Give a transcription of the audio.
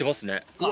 ・うわ